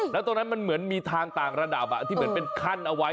แล้วตรงนั้นมันเหมือนมีทางต่างระดับที่เหมือนเป็นขั้นเอาไว้